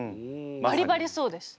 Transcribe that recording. バリバリそうです。